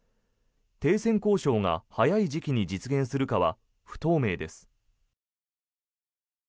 停戦交渉が早い時期に実現するかは不透明です。